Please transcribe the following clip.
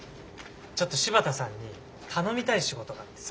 ちょっと柴田さんに頼みたい仕事があってさ。